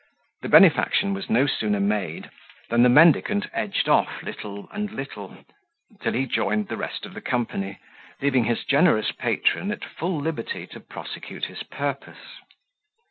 The benefaction was no sooner made, than the mendicant edged off by little and little, till he joined the rest of the company, leaving his generous patron at full liberty to prosecute his purpose.